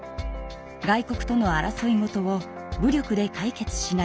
外国との争いごとを武力で解決しない。